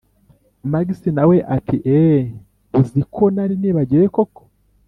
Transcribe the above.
max nawe ati: eeee! uziko nari nibagiwe koko,